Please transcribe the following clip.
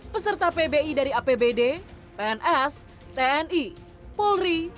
peserta pbi dari apbd pns tni polri